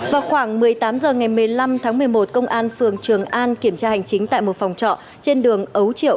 vào khoảng một mươi tám h ngày một mươi năm tháng một mươi một công an phường trường an kiểm tra hành chính tại một phòng trọ trên đường ấu triệu